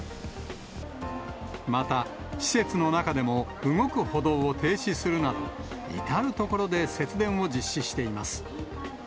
また、施設の中でも動く歩道を停止するなど、至る所で節電を実施しています。